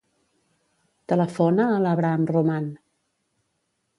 Telefona a l'Abraham Roman.